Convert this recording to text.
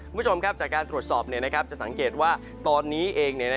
คุณผู้ชมครับจากการตรวจสอบจะสังเกตว่าตอนนี้เอง